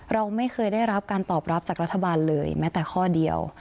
เราไม่เคยได้รับการตอบรับจากรัฐบาลเลยแม้แต่ข้อเดียว